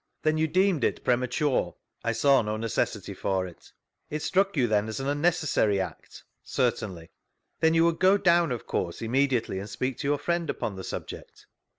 Then you deemed it premature?— I saw no necessity for it. Itstnickyouthenasanunnecessaryact? — Certainly. Then you would go down, of course, immediately and speak to your friend upon the subject?